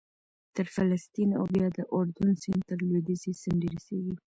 تر فلسطین او بیا د اردن سیند تر لوېدیځې څنډې رسېږي